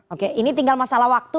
oke ini tinggal masalah waktu